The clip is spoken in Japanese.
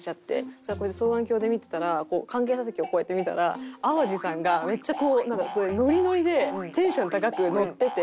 それでこうやって双眼鏡で見てたら関係者席をこうやって見たら淡路さんがめっちゃこうなんかすごいノリノリでテンション高くノッてて。